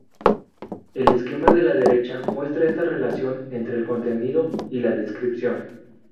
El esquema de la derecha muestra esta relación entre el contenido y la descripción.